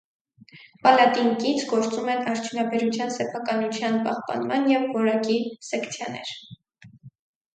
Պալատին կից գործում են արդյունաբերության սեփականության պահպանման և որակի սեկցիաներ։